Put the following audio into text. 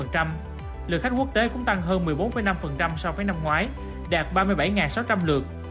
lượng khách quốc tế cũng tăng hơn một mươi bốn năm so với năm ngoái đạt ba mươi bảy sáu trăm linh lượt